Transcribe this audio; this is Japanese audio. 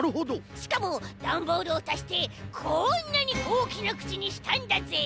しかもだんボールをたしてこんなにおおきなくちにしたんだぜ。